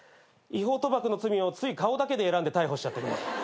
違法賭博の罪をつい顔だけで選んで逮捕しちゃって。